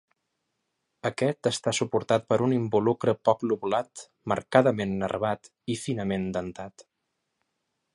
Aquest està suportat per un involucre poc lobulat, marcadament nervat i finament dentat.